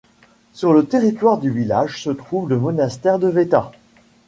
Sur le territoire du village se trouve le monastère de Veta.